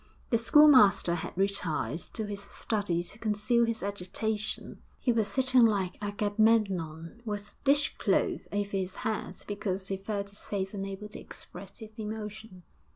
The schoolmaster had retired to his study to conceal his agitation; he was sitting like Agamemnon with a dishcloth over his head, because he felt his face unable to express his emotion.